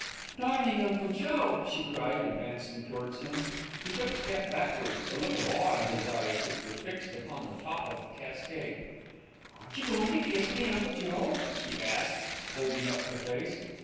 "Darling Uncle Joe," she cried, advancing towards him. He took a step backwards, a look of awe in his eyes, which were fixed upon the top of the cascade. "Aren't you going to kiss me, Uncle Joe?" she asked, holding up her face.